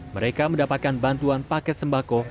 mereka mendapatkan bantuan paket sembako